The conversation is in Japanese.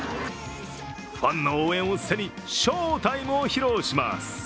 ファンの応援を背に翔タイムを披露します。